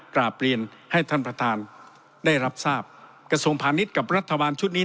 กราบเรียนให้ท่านประธานได้รับทราบกระทรวงพาณิชย์กับรัฐบาลชุดนี้